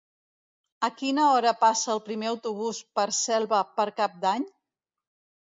A quina hora passa el primer autobús per Selva per Cap d'Any?